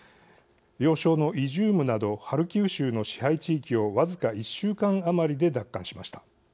要衝のイジュームなどハルキウ州の支配地域を僅か１週間余りで奪還しました。